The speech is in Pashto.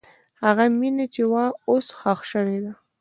هغه مینه چې وه، اوس ښخ شوې ده.